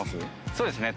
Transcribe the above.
そうですね。